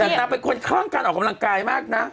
ทำ้นางเป็นคนคล่องการออกกำลังกายมากน้อย